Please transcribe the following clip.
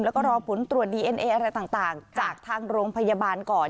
แล้วก็รอผลตรวจดีเอ็นเออะไรต่างจากทางโรงพยาบาลก่อน